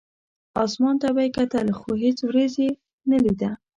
اسمان ته به یې کتل، خو هېڅ ورېځ یې نه لیده.